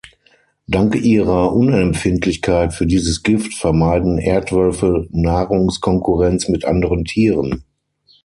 Dank ihrer Unempfindlichkeit für dieses Gift vermeiden Erdwölfe Nahrungskonkurrenz mit anderen Tieren.